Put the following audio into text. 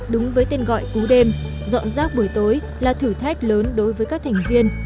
đúng với tên gọi cú đêm dọn rác buổi tối là thử thách lớn đối với các thành viên